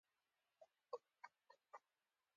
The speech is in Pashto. شګې پر خپلو ځايونو پرتې وې.